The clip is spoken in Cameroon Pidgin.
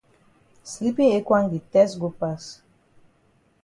Sleepin ekwang di tess go pass.